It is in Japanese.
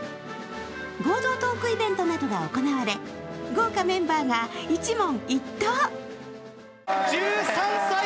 合同トークイベントなどが行われ豪華メンバーが一問一答。